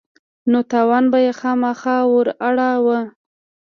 نو تاوان به يې خامخا وراړاوه.